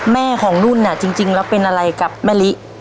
แม่ของนุ่นจริงแล้วเป็นอะไรกับแม่ลิ